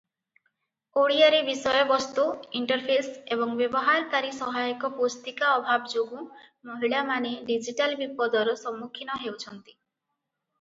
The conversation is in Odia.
ଓଡ଼ିଆରେ ବିଷୟବସ୍ତୁ, ଇଣ୍ଟରଫେସ ଏବଂ ବ୍ୟବହାରକାରୀ ସହାୟକ ପୁସ୍ତିକା ଅଭାବ ଯୋଗୁଁ ମହିଳାମାନେ ଡିଜିଟାଲ ବିପଦର ସମ୍ମୁଖୀନ ହେଉଛନ୍ତି ।